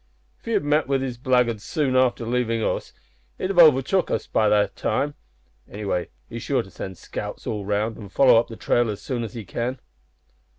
"If he had met with his blackguards soon after leaving us, he'd have overtook us by this time. Anyway, he's sure to send scouts all round, and follow up the trail as soon as he can."